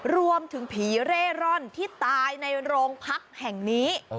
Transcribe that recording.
รวมถึงผีเร่ร่อนที่ตายในโรงพักแห่งนี้